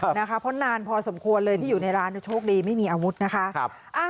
เพราะนานพอสมควรเลยที่อยู่ในร้านโชคดีไม่มีอาวุธนะคะ